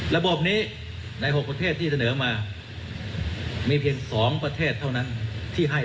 ระบบนี้ใน๖ประเทศที่เสนอมามีเพียง๒ประเทศเท่านั้นที่ให้